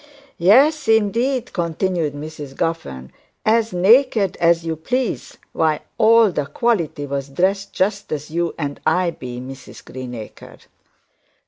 'Yes, indeed,' continued Mrs Guffern, 'as naked as you please, while all the quality was dressed just as you and I be, Mrs Greenacre.'